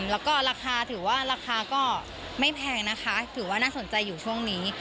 แล้วก็ราคาก็ไม่แพงนะคะถือว่าน่าสนใจอยู่ช่วงนี้